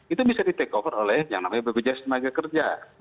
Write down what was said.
itu bisa di take over oleh yang namanya bpjs tenaga kerja